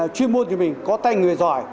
chuyên môn của mình có tay người giỏi